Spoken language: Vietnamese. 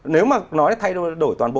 nếu mà nói thay đổi toàn bộ